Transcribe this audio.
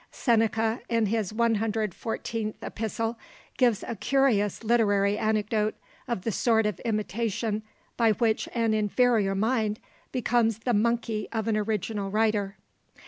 Seneca, in his 114th Epistle, gives a curious literary anecdote of the sort of imitation by which an inferior mind becomes the monkey of an original writer.